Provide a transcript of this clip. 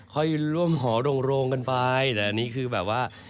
ค่อยร่วมหอโรงกันไปแต่อันนี้คือแบบว่า